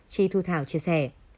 chị thu thảo chia sẻ